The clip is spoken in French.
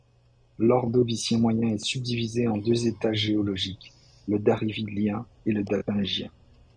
L'Ordovicien moyen est subdivisé en deux étages géologiques, le Darriwilien et le Dapingien.